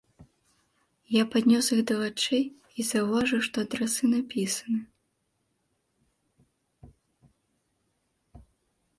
Я паднёс іх да вачэй і заўважыў, што адрасы напісаны.